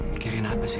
pikirin apa sih